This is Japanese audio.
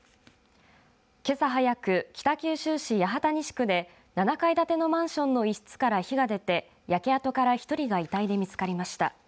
けさ早く、北九州市八幡西区で７階建てのマンションの１室から火が出て焼け跡から１人が遺体で見つかりました。